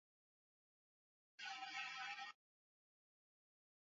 inajitokeza kwa masaa kadhaa Kanda la kaskazini lina